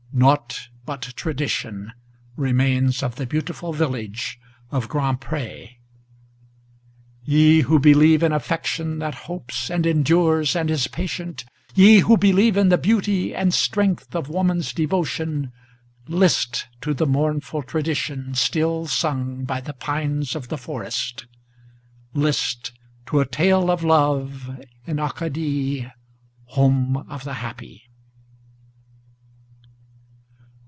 Naught but tradition remains of the beautiful village of Grand Pré. Ye who believe in affection that hopes, and endures, and is patient, Ye who believe in the beauty and strength of woman's devotion, List to the mournful tradition still sung by the pines of the forest; List to a Tale of Love in Acadie, home of the happy.